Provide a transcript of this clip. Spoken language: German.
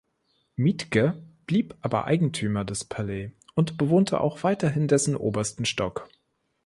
Miethke blieb aber Eigentümer des Palais und bewohnte auch weiterhin dessen obersten Stock.